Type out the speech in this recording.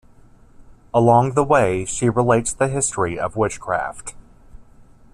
Along the way, she relates the history of witchcraft.